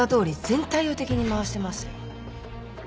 全体を敵に回してますよ。